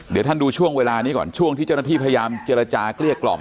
เดี๋ยวท่านดูช่วงเวลานี้ก่อนช่วงที่เจ้าหน้าที่พยายามเจรจาเกลี้ยกล่อม